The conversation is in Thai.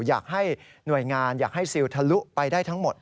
อยากให้หน่วยงานอยากให้ซิลทะลุไปได้ทั้งหมด